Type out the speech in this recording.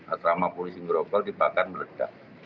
asrama polisi ngorokol dibakar meredak